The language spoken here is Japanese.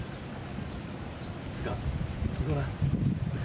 いつか行こな。